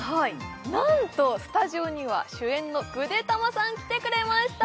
なんとスタジオには主演のぐでたまさん来てくれました